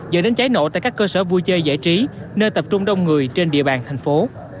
dẫn đến cháy nổ tại các cơ sở vui chơi giải trí nơi tập trung đông người trên địa bàn thành phố